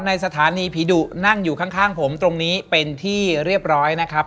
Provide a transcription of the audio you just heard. สถานีผีดุนั่งอยู่ข้างผมตรงนี้เป็นที่เรียบร้อยนะครับ